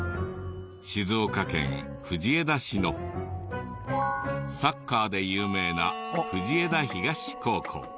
静岡県藤枝市のサッカーで有名な藤枝東高校。